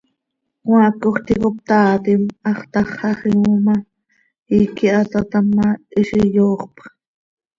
Cmaacoj ticop taaatim, hax táxaxim oo ma, iiqui hataatam ma, hizi yooxpx.